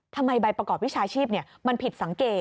ทำไมใบประกอบวิชาชีพมันผิดสังเกต